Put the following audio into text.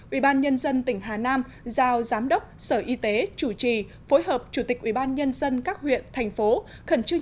ubnd tỉnh hà nam giao giám đốc sở y tế chủ trì phối hợp chủ tịch ubnd các huyện thành phố